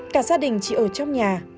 cả gia đình chỉ ở trong nhà